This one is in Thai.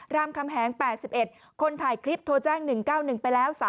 รามคำแหง๘๑คนถ่ายคลิปโทรแจ้ง๑๙๑ไปแล้ว